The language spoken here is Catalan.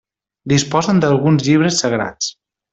Disposen d'alguns llibres sagrats.